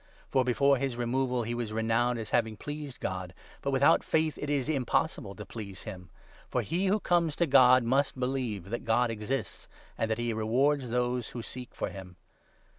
For, before his removal, he was renowned as having pleased God ; but without faith it is impossible to please him, for he who comes to God must believe that God exists, and that he rewards those who seek for him.